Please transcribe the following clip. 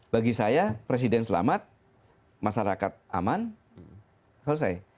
bagi saya presiden selamat masyarakat aman selesai